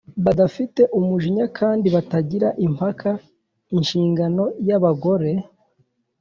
badafite umujinya kandi batagira impaka. Inshingano y’abagore